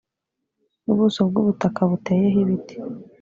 ubuso bw ubutaka buteyeho ibiti